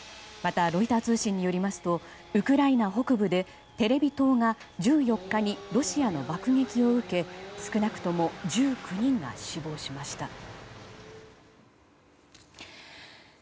ロイター通信によりますとウクライナ北部でテレビ塔が１４日にロシアの爆撃を受け少なくとも１９人が死亡しました。